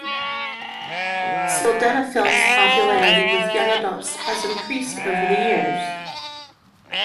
Sildenafil's popularity with young adults has increased over the years.